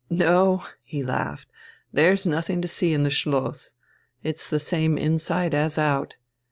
"No," he laughed, "there's nothing to see in the Schloss. It's the same inside as out.